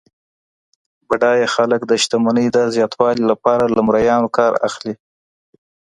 بډایه خلګ د شتمنۍ د زیاتوالي لپاره له مریانو کار اخلي.